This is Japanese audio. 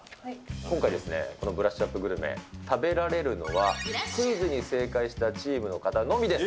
今回、このブラッシュアップグルメ、食べられるのは、クイズに正解したチームの方のみです。